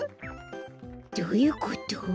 どういうこと？